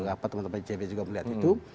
apa teman teman icw juga melihat itu